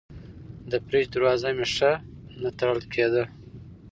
د فریج دروازه مې ښه نه تړل کېده.